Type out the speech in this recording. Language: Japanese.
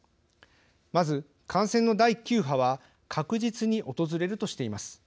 まず、感染の第９波は確実に訪れるとしています。